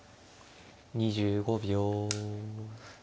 ２５秒。